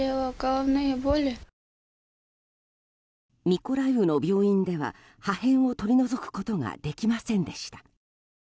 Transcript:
ミコライウの病院では破片を取り除くことができませんでした。